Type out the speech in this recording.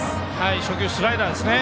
初球、スライダーですね。